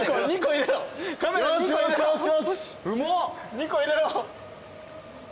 ２個入れろ。